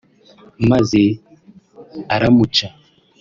maze aramuca